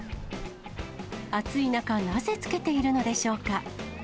暑い中、なぜ着けているのでしょうか。